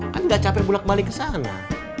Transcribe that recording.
kan nggak capek bulat balik ke sana